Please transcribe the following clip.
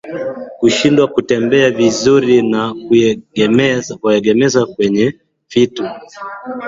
Kushindwa kutembea vizuri na kujiegemeza kwenye vitu